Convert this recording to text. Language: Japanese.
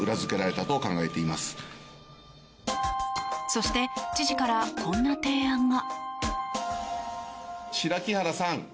そして、知事からこんな提案が。